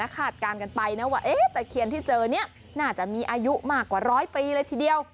คาดการณ์กันไปนะว่าตะเคียนที่เจอนี้น่าจะมีอายุมากกว่าร้อยปีเลยทีเดียว